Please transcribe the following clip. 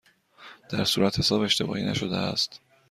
در صورتحساب اشتباهی نشده است؟